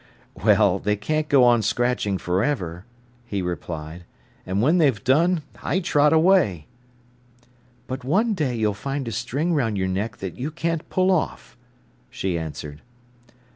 "Well, they can't go on scratching for ever," he replied. "And when they've done, I trot away." "But one day you'll find a string round your neck that you can't pull off," she answered.